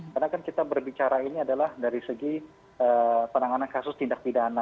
karena kan kita berbicara ini adalah dari segi penanganan kasus tindak pidana